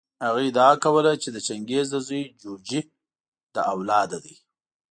هغه ادعا کوله چې د چنګیز د زوی جوجي له اولاده دی.